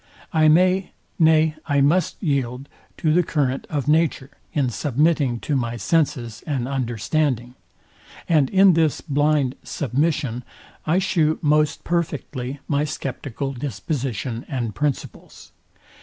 I may, nay I must yield to the current of nature, in submitting to my senses and understanding; and in this blind submission I shew most perfectly my sceptical disposition and principles.